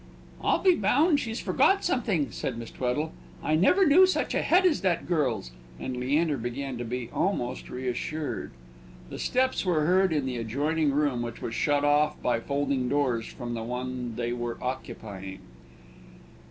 "I'll be bound she's forgot something," said Miss Tweddle. "I never knew such a head as that girl's;" and Leander began to be almost reassured. The steps were heard in the adjoining room, which was shut off by folding doors from the one they were occupying.